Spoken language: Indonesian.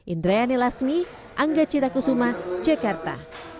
indrayani lasmi angga cita kusuma jakarta